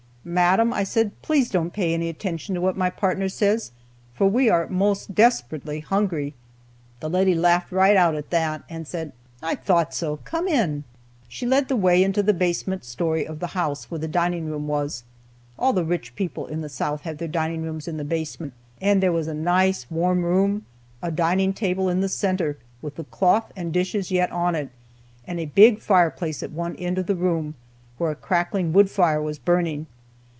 'Madam,' I said, 'please don't pay any attention to what my partner says, for we are most desperately hungry.' The lady laughed right out at that, and said, 'I thought so; come in.' "She led the way into the basement story of the house, where the dining room was, (all the rich people in the South have their dining rooms in the basement,) and there was a nice warm room, a dining table in the center, with the cloth and dishes yet on it, and a big fireplace at one end of the room, where a crackling wood fire was burning.